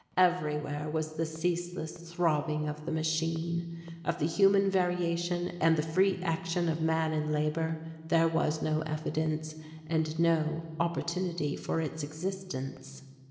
Everywhere was the ceaseless throbbing of the machine. Of the human variation and the free action of man in labour, there was no evidence, and no opportunity for its existence.